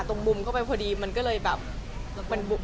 มุมเข้าไปพอดีมันก็เลยแบบ